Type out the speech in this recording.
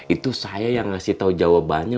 itu saya yang ngasih tahu jawabannya